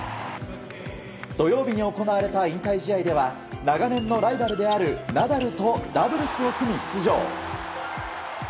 土曜日に行われた引退試合では長年のライバルであるナダルとダブルスを組み出場。